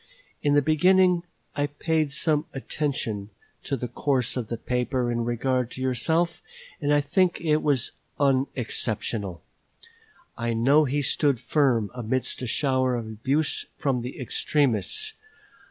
In the beginning I paid some attention to the course of the paper in regard to yourself, and I think it was unexceptionable: I know he stood firm amidst a shower of abuse from the extremists.